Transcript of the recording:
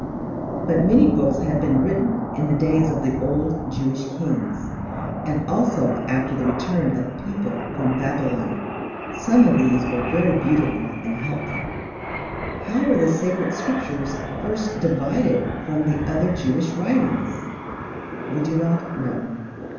But many books had been written in the days of the old Jewish kings, and also after the return of the people from Babylon: some of these were very beautiful and helpful. How were the sacred Scriptures first divided from the other Jewish writings? We do not know.